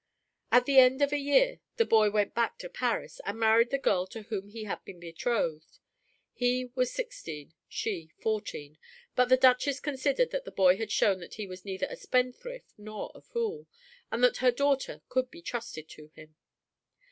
At the end of a year the boy went back to Paris and married the girl to whom he had been betrothed. He was sixteen, she fourteen, but the Duchess considered that the boy had shown that he was neither a spendthrift nor a fool, and that her daughter could be trusted to him.